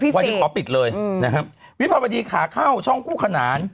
วิทยาลัยบริษัทก่อเช่าิสินวิภาพดีข่าเข้าช่องกู้ขนาน